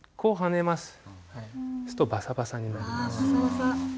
するとバサバサになります。